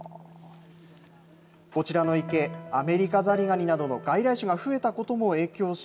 こちらの池アメリカザリガニなどの外来種が増えたことも影響し